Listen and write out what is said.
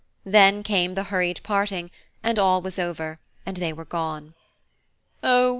Then came the hurried parting, and all was over, and they were gone. "Oh!